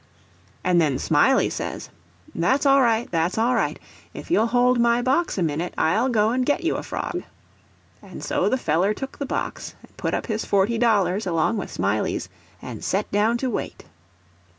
And then Smiley says, "That's all right—that's all right—if you'll hold my box a minute, I'll go and get you a frog." And so the feller took the box, and put up his forty dollars along with Smiley's, and set down to wait.